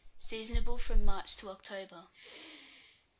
Seasonable from March to October.